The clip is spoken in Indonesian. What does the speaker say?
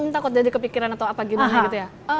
takut jadi kepikiran atau apa gimana gitu ya